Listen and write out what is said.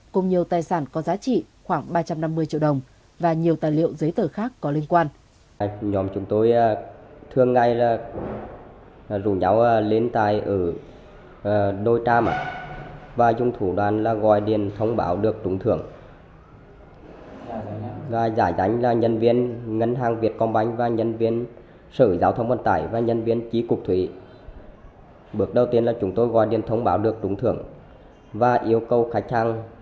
cùng nhiều tài sản có giá trị khoảng ba trăm năm mươi triệu đồng và nhiều tài liệu giấy tờ khác có liên quan